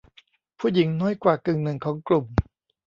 ผู้หญิงน้อยกว่ากึ่งหนึ่งของกลุ่ม